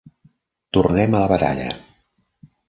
Tornem a la batalla.